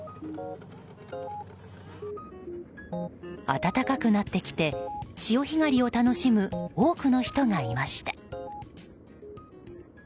暖かくなってきて潮干狩りを楽しむ多くの人がいました。